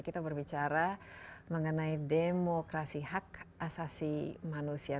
kita berbicara mengenai demokrasi hak asasi manusia